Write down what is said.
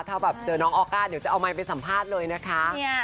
ถ้าแบบเจอน้องออก้าเดี๋ยวจะเอาไมค์ไปสัมภาษณ์เลยนะคะ